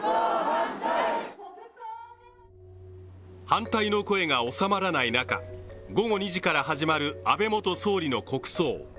反対の声が収まらない中、午後２時から始まる安倍元総理の国葬。